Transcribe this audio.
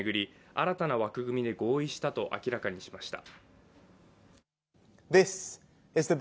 新たな枠組みで合意したと明らかにしました。